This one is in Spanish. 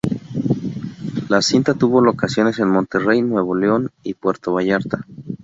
La cinta tuvo locaciones en Monterrey, Nuevo León y Puerto Vallarta.